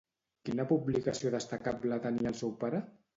Quina publicació destacable tenia el seu pare?